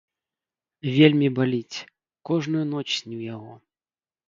Вельмі баліць, кожную ноч сню яго.